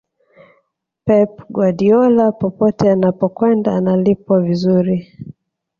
pep guardiola popote anapokwenda analipwa vizuri